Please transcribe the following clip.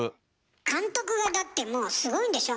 監督がだってもうすごいんでしょ？